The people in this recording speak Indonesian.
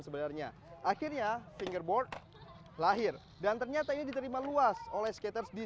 sebenarnya akhirnya fingerboard lahir dan ternyata ini diterima luas oleh skaters di